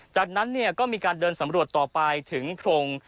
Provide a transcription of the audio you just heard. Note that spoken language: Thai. จากนั้นก็มีการเดินสำรวจต่อไปถึงโพรง